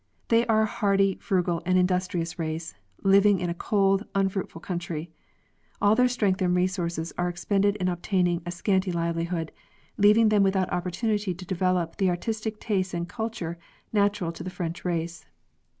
They are a hardy, frugal, and industri ous race, living in a cold, unfruitful country ; all their strength and resources are expended in obtaining a scanty livelihood, leaving them without opportunity to develop the artistic taste and culture natural to the French race.